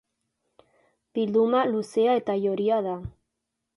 Bilduma luzea eta joria da.